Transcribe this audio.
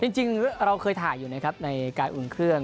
จริงเราเคยถ่ายอยู่ในการอุ่งเครื่อง